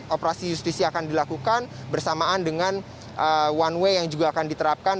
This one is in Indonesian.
operasi justisi akan dilakukan bersamaan dengan one way yang juga akan diterapkan